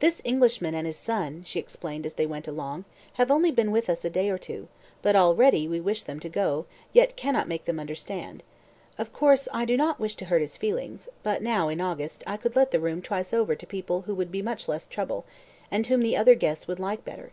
"This Englishman and his son," she explained, as they went along, "have only been with us a day or two, but already we wish them to go, yet cannot make them understand. Of course, I do not wish to hurt his feelings, but now, in August, I could let the room twice over to people who would be much less trouble, and whom the other guests would like better."